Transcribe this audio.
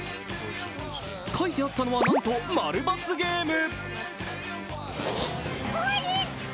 書いてあったのは、なんと○×ゲーム。